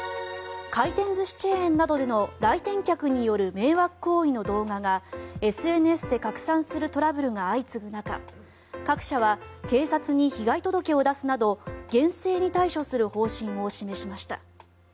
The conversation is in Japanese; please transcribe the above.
回転ずしチェーンなどでの来店客による迷惑行為などの動画がＳＮＳで拡散するトラブルが相次ぐ中各社は警察に被害届を出すなど厳正に対処する方針を示しました。